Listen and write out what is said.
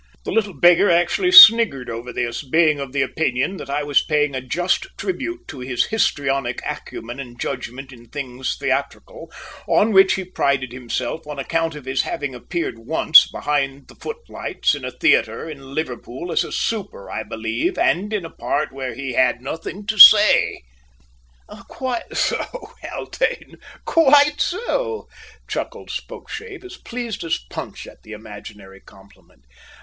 The little beggar actually sniggered over this, being of the opinion that I was paying a just tribute to his histrionic acumen and judgement in things theatrical, on which he prided himself on account of his having appeared once behind the footlights in a theatre in Liverpool, as a "super," I believe, and in a part where he had nothing to say! "Quite so, Haldane; quite so," chuckled Spokeshave, as pleased as Punch at the imaginary compliment.